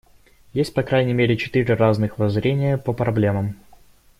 Есть по крайней мере четыре разных воззрения по проблемам.